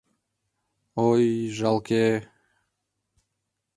Ой, жалке...